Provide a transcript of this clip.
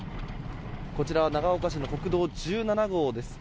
こちら長岡市の国道１７号です。